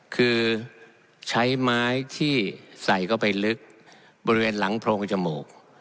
คือใช้ไม้ที่ใส่เข้าไปลึกบริเวณหลังโพรงจมูก